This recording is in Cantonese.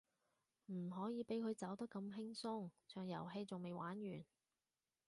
唔可以畀佢走得咁輕鬆，場遊戲仲未玩完